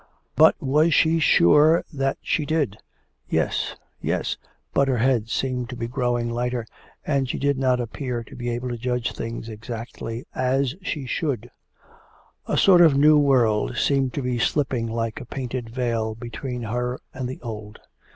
But was she sure that she did? Yes, yes but her head seemed to be growing lighter, and she did not appear to be able to judge things exactly as she should; a sort of new world seemed to be slipping like a painted veil between her and the old.